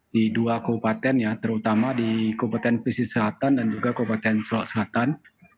di dua kabupaten ya terutama di kabupaten pesisir selatan dan juga kabupaten sela selatan